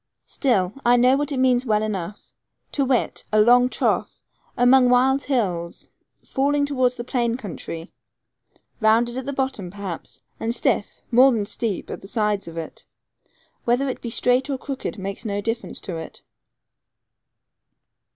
Still I know what it means well enough to wit, a long trough among wild hills, falling towards the plain country, rounded at the bottom, perhaps, and stiff, more than steep, at the sides of it. Whether it be straight or crooked, makes no difference to it.